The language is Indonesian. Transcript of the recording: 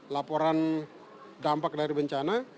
laporan dampak dari bencana